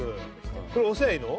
これ押せばいいの？